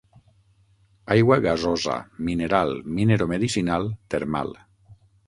Aigua gasosa, mineral, mineromedicinal, termal.